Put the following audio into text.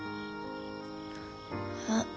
・あっ